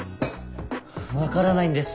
分からないんです